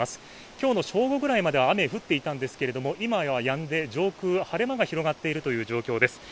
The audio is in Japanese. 今日の正午くらいまでは雨が降っていたんですが今はやんで、上空は晴れ間が広がっているという状況です。